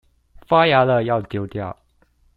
發芽了要丟掉